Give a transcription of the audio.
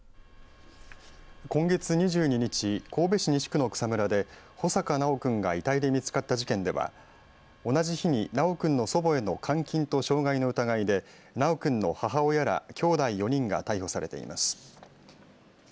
今月２２日神戸市西区の草むらで穂坂修君が遺体で見つかった事件では同じ日に修君の祖母への監禁と傷害の疑いで修君の母親らきょうだい４人が逮捕されています。